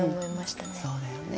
うんそうだよね。